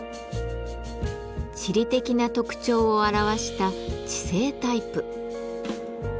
地理的な特徴を表した地勢タイプ。